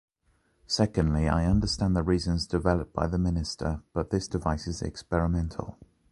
Secondly, I understand the reasons developed by the Minister, but this device is experimental.